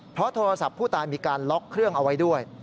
เพราะโทรศัพท์ผู้ตายมีการล็อกเครื่องเอาไว้ด้วย